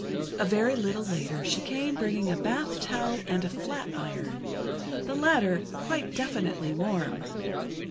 A very little later she came bringing a bath towel, and a flat iron, the latter quite definitely warm.